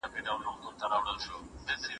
لیکلې